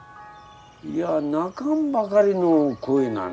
いや泣かんばかりの声なんだ。